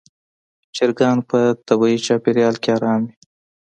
چرګان په طبیعي چاپېریال کې آرام وي.